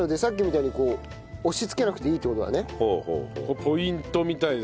ポイントみたいですね。